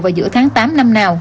và giữa tháng tám năm nào